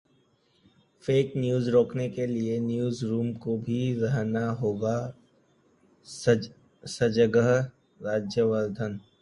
fake news रोकने के लिए न्यूजरूम को भी रहना होगा सजग: राज्यवर्धन